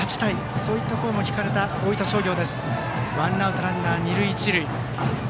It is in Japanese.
そういった声も聞かれた大分商業。